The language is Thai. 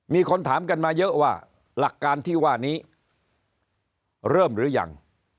มีคนถามกันมาเยอะว่าหลักการที่ว่านี้เริ่มหรือยัง